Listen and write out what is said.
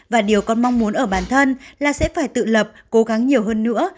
và điều con mong muốn ở bản thân là sẽ phải tự lập cố gắng nhiều hơn nữa